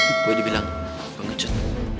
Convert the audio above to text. gue dibilang pengecut